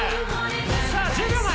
さあ１０秒前。